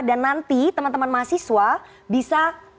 dan nanti teman teman mahasiswa bisa memberikan